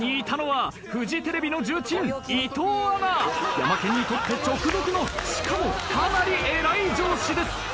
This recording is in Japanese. ヤマケンにとって直属のしかもかなり偉い上司です。